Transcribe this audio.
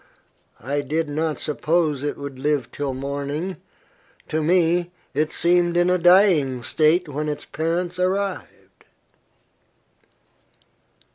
I did not suppose it would live till morning. To me, it seemed in a dying state when its parents arrived."